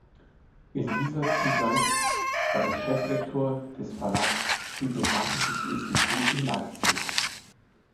In dieser Zugleich war er Cheflektor des Verlags Bibliographisches Institut in Leipzig.